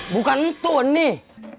bukan itu nih